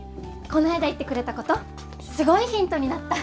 こないだ言ってくれたことすごいヒントになった！